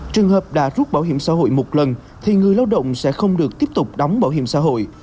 trường hợp đã rút bảo hiểm xã hội một lần thì người lao động sẽ không được tiếp tục đóng bảo hiểm xã hội